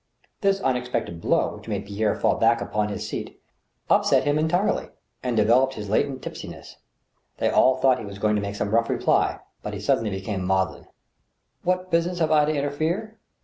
This unexpected blow, which made Pierre fall back upon his 30 THE STEEL HAMMER. seat, upset him entirely, and developed his latent tipsiness. They all thought he was going to make some rough reply, but he sud denly became maudlin. " What business have I to interfere